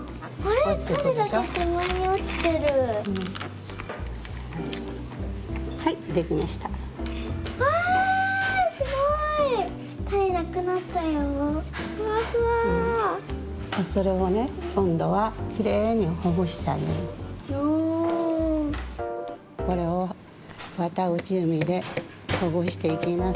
これをわたうちゆみでほぐしていきます。